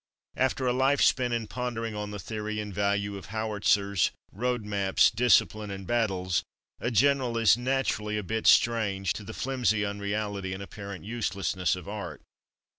After a life spent in pondering on the theory and value of how itzers, road maps, discipline, and battles, a general is naturally a bit strange to the flimsy unreality and apparent uselessness of art.